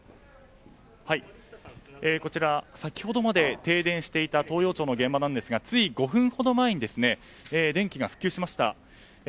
先ほどまで停電していた東陽町の現場ですが５分ほど前に電気が復旧しました。